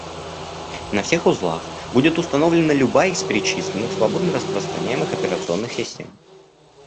На всех узлах будет установлена любая из перечисленных свободно-распространяемых операционных систем